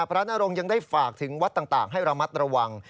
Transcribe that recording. นรงค์ยังได้ฝากถึงวัดต่างให้ระมัดระวัง